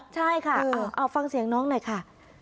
ใช่ค่ะเอาฟังเสียงน้องหน่อยค่ะ